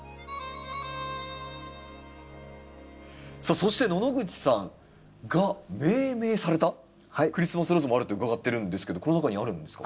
さあそして野々口さんが命名されたクリスマスローズもあるって伺ってるんですけどこの中にあるんですか？